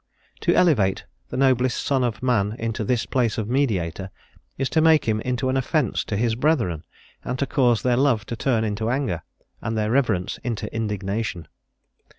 To elevate the noblest son of man into this place of mediator is to make him into an offence to his brethren, and to cause their love to turn into anger, and their reverence into indignation.